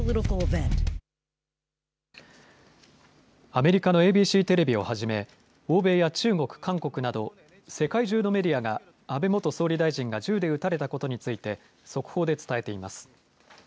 アメリカのＡＢＣ、欧米や中国、韓国など、世界中のメディアが、安倍元総理大臣が銃で撃たれたことについて、速報で伝えています。